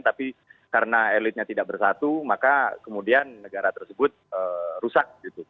tapi karena elitnya tidak bersatu maka kemudian negara tersebut rusak